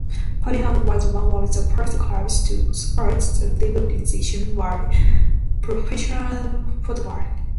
Padiham was one of the first clubs to support the legalisation of professional football.